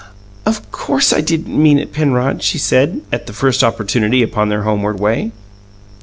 "Of course I didn't mean it, Penrod," she said, at the first opportunity upon their homeward way.